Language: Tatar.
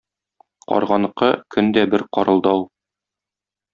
Карганыкы көн дә бер карылдау.